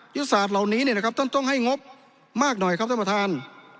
ยุทธศาสตร์เหล่านี้ต้องให้งบมากหน่อยครับท่านประธาน